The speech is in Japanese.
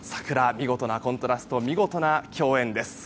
見事なコントラスト見事な共演です。